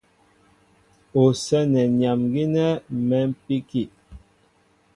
Ú sɛ́nɛ nyam gínɛ́ mɛ̌mpíki.